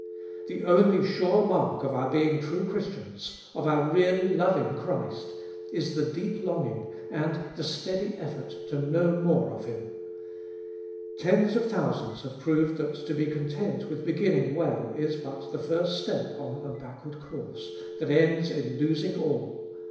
The only sure mark of our being true Christians, of our really loving Christ, is the deep longing and the steady effort to know more of Him. Tens of thousands have proved that to be content with begin ning well is but the first step on a backward course, that ends in losing all.